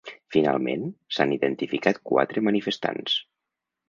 Finalment, s’han identificat quatre manifestants.